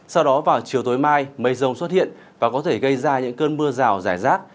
sau đó vào chiều tối mai mây rông xuất hiện và có thể gây ra những cơn mưa rào rải rác